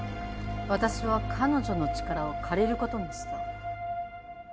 私は彼女の力を借りることにした。